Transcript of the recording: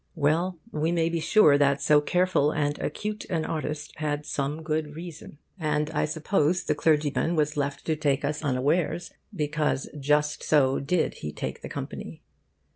Well, we may be sure that so careful and acute an artist had some good reason. And I suppose the clergyman was left to take us unawares because just so did he take the company.